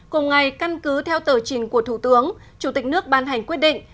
cùng ngày căn cứ theo tờ trình của thủ tướng chủ tịch nước ban hành quyết định